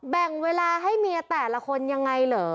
แบ่งเวลาให้เมียแต่ละคนยังไงเหรอ